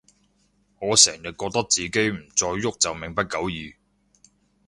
我成日覺得自己再唔郁就命不久矣